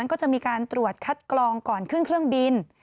ก็จะมีการตรวจคัดกรองก่อนขึ้นเครื่องบิน